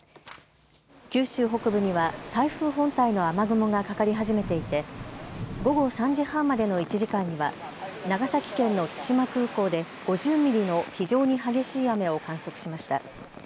九州北部には台風本体の雨雲がかかり始めていて午後３時半までの１時間には長崎県の対馬空港で５０ミリの非常に激しい雨を観測しました。